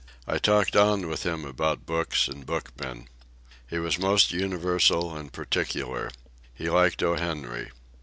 I talked on with him about books and bookmen. He was most universal and particular. He liked O. Henry.